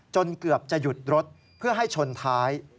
เกือบจะหยุดรถเพื่อให้ชนท้าย